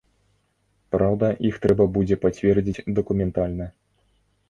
Праўда, іх трэба будзе пацвердзіць дакументальна.